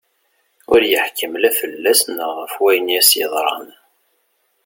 Ur yeḥkim la fell-as neɣ ɣef wayen i as-yeḍran.